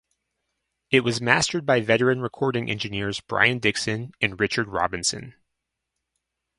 It was mastered by veteran recording engineers Brian Dixon and Richard Robinson.